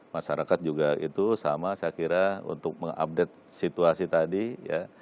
masyarakat juga itu sama saya kira untuk mengupdate situasi tadi ya